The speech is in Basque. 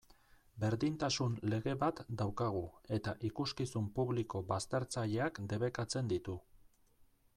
Berdintasun lege bat daukagu, eta ikuskizun publiko baztertzaileak debekatzen ditu.